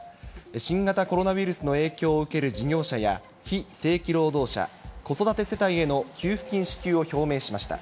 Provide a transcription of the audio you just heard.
新型コロナウイルスの影響を受ける事業者や、非正規労働者、子育て世帯への給付金支給を表明しました。